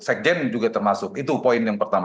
sekjen juga termasuk itu poin yang pertama